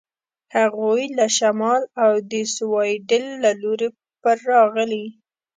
هغوی له شمال او د سیوایډل له لوري پر راغلي.